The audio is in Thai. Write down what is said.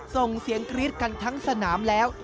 ส่งเสียงกรี๊ดกันทั้งสนามแล้ว